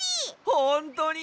ほんとに？